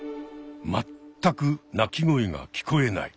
全く鳴き声が聞こえない。